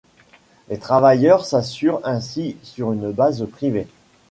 Les travailleurs s'assurent ainsi sur une base privée.